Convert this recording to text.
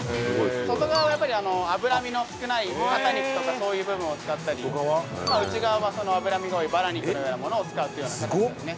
外側はやっぱり脂身の少ない肩肉とかそういう部分を使ったり内側は脂身が多いバラ肉のようなものを使うっていうような形ですね。